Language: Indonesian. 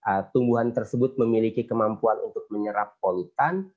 ruangan tadi ketika tumbuhan tersebut memiliki kemampuan untuk menyerap polutan